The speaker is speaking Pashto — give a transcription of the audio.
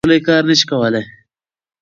ناروغه سړی کار نشي کولی.